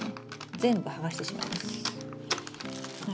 全部剥がしてしまいます。